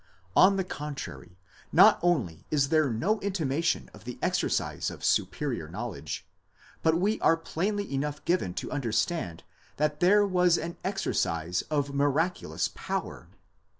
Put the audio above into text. On the contrary, not only is there no intimation of the exercise of superior knowledge, but we are plainly enough given to under stand that there was an exercise of miraculous power.